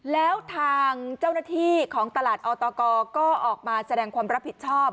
แล้วทางเจ้าหน้าที่ของตลาดออตกก็ออกมาแสดงความรับผิดชอบ